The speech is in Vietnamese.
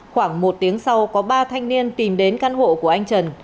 khoảng một tiếng sau có ba thanh niên tìm đến căn hộ của anh trần